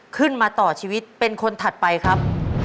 ขึ้นมาต่อชีวิตเป็นคนถัดไปครับ